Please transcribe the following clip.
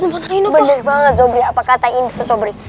bener banget sobri apa kata ini sobri